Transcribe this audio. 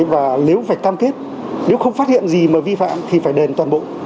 và nếu phải cam kết nếu không phát hiện gì mà vi phạm thì phải đền toàn bộ